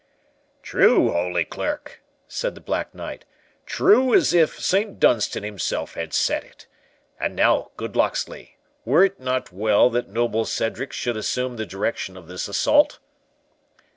"True, Holy Clerk," said the Black Knight, "true as if Saint Dunstan himself had said it.—And now, good Locksley, were it not well that noble Cedric should assume the direction of this assault?"